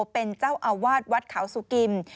เป็นเจ้าอาวาสวัดเขาสุกิม